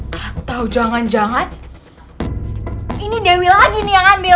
gak tau jangan jangan ini dewi lagi nih yang ngambil